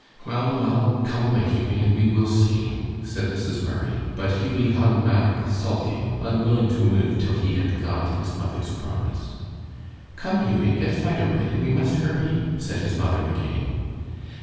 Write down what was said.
"Well, well, come away, Hughie, and we will see," said Mrs. Murray; but Hughie hung back sulking, unwilling to move till he had got his mother's promise. "Come, Hughie. Get Fido ready. We must hurry," said his mother again.